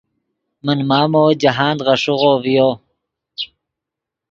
من مامو جاہند غیݰیغو ڤیو